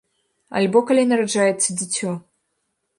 Альбо калі нараджаецца дзіцё.